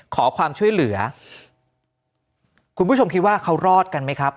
ขอความช่วยเหลือคุณผู้ชมคิดว่าเขารอดกันไหมครับ